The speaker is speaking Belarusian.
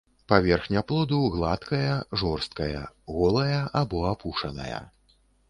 Паверхня плоду гладкая, жорсткая, голая або апушаная.